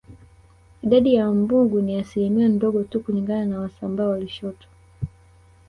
Idadi ya Wambugu ni asilimia ndogo tu kulingana na Wasambaa wa Lushoto